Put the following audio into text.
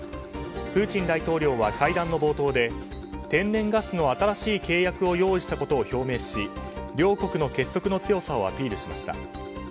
プーチン大統領は会談の冒頭で、天然ガスの新しい契約を用意したことを表明し、両国の結束の強さをアピールしました。